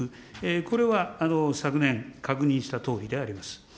これは昨年、確認したとおりであります。